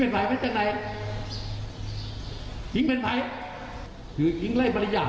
หิงจ่ำเสียงโลกเฮ้ยหาอายสระบุจรังหาอายแตน